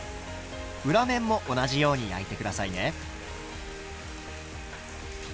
裏面も同じように焼いて下さいね。